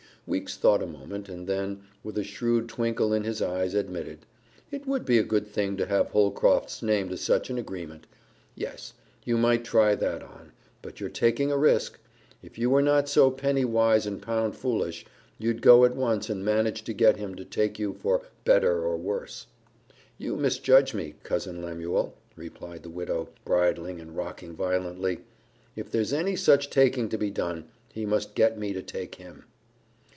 Weeks thought a moment, and then, with a shrewd twinkle in his eyes, admitted, "It would be a good thing to have Holcroft's name to such an agreement. Yes, you might try that on, but you're taking a risk. If you were not so penny wise and pound foolish, you'd go at once and manage to get him to take you for 'better or worse.'" "You misjudge me, Cousin Lemuel," replied the widow, bridling and rocking violently. "If there's any such taking to be done, he must get me to take him."